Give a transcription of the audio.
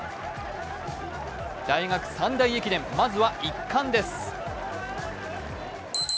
大学三大駅伝、まずは一冠です。